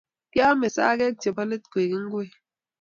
Kiame sagek chebololet koek ngwek